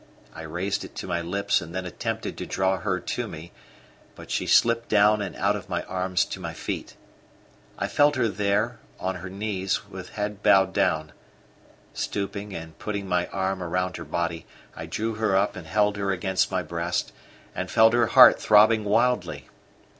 I raised it to my lips and then attempted to draw her to me, but she slipped down and out of my arms to my feet. I felt her there, on her knees, with head bowed low. Stooping and putting my arm round her body, I drew her up and held her against my breast, and felt her heart throbbing wildly.